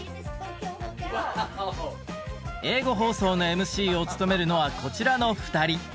英語放送のＭＣを務めるのはこちらの２人。